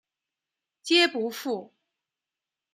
皆不赴。